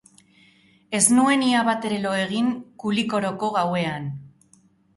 Ez nuen ia batere lo egin Kulikoroko gauean.